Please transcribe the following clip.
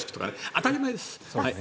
当たり前です。